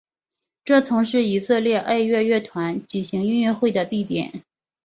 这曾是以色列爱乐乐团举行音乐会的地点。